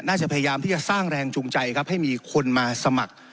พยายามที่จะสร้างแรงจูงใจครับให้มีคนมาสมัคร